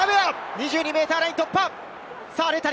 ２２ｍライン突破！